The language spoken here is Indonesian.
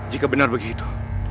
jika benar begitu